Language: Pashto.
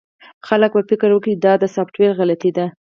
خلک به فکر وکړي چې دا د سافټویر غلطي ده